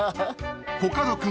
［コカド君